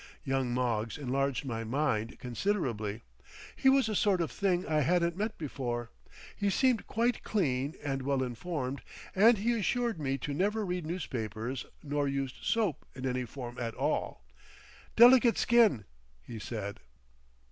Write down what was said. Young Moggs enlarged my mind considerably; he was a sort of thing I hadn't met before; he seemed quite clean and well informed and he assured me to never read newspapers nor used soap in any form at all, "Delicate skin," he said.